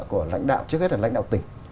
của lãnh đạo trước hết là lãnh đạo tỉnh